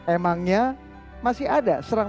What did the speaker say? emangnya masih ada serang